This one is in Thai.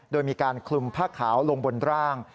โดยมีการคลุมผ้าขาวลงบนร่าง